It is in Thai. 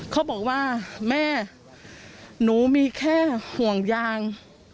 เขาบอกว่าแม่หนูมีแค่ห่วงยาง